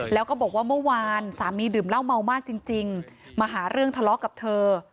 แล้วก็บอกว่าเมื่อวานสามีดื่มเหล้าเมามากจริงมาหาเรื่องทะเลาะกับเธอ